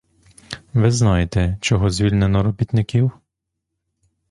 Ви знаєте, чого звільнено робітників?